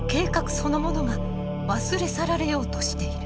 そのものが忘れ去られようとしている。